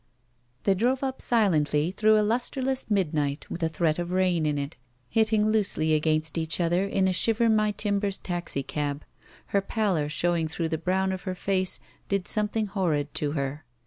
They drove up silently through a lusterless mid night with a threat of rain in it, hitting loosely against each other in a shiver my timbers taxicab. Her pallor showing through the brown of her face did something horrid to her.